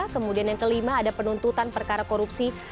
kemudian yang kelima ada penuntutan perkara korupsi